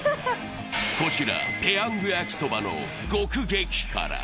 こちら、ペヤングやきそばの獄激辛。